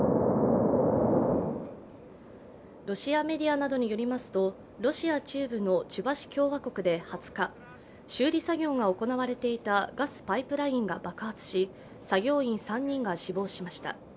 ロシアメディアなどによりますとロシア中部のチュバシ共和国で２０日修理作業が行われていたガスパイプラインが爆発し、作業員３人が死亡しました。